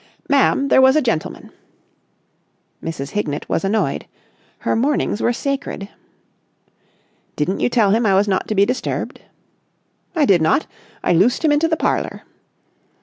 "Ma'am, there was a gentleman." Mrs. Hignett was annoyed. Her mornings were sacred. "Didn't you tell him I was not to be disturbed?" "I did not. I loosed him into the parlour."